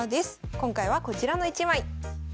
今回はこちらの１枚。